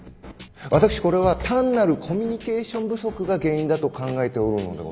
私これは単なるコミュニケーション不足が原因だと考えておるのでございます。